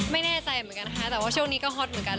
ไม่แน่ใจเหมือนกันค่ะแต่ว่าช่วงนี้ก็ฮอตเหมือนกัน